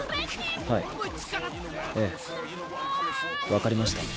分かりました。